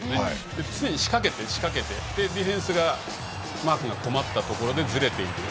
常に仕掛けて、仕掛けてディフェンスのマークが止まったところでずれていく。